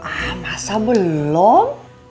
ah masa belum